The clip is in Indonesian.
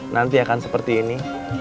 nanti akan seperti ini